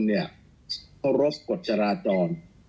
รบร่วมกฎธราจร